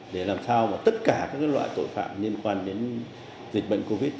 để làm sao tất cả các loại tội phạm liên quan đến dịch bệnh covid